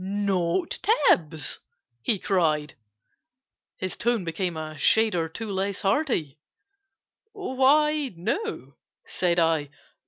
"Not Tibbs!" he cried—his tone became A shade or two less hearty— "Why, no," said I.